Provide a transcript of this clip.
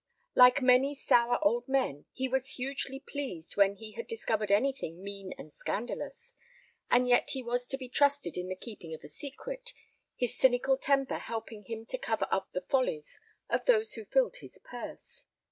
Like many sour old men, he was hugely pleased when he had discovered anything mean and scandalous. And yet he was to be trusted in the keeping of a secret, his cynical temper helping him to cover up the follies of those who filled his purse.